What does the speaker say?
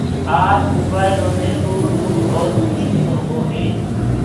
آج موبآئلو مي ٻولوو ڀوت مشڪل هوگو هي